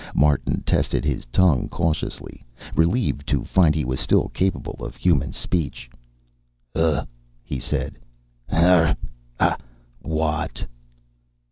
Martin tested his tongue cautiously, relieved to find he was still capable of human speech. "Uh," he said. "Arrgh ... ah. Watt."